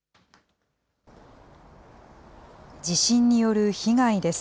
地震による被害です。